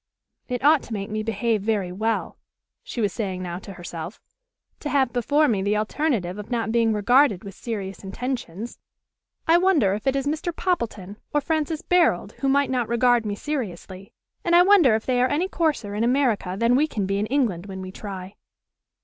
"It ought to make me behave very well," she was saying now to herself, "to have before me the alternative of not being regarded with serious intentions. I wonder if it is Mr. Poppleton or Francis Barold who might not regard me seriously. And I wonder if they are any coarser in America than we can be in England when we try."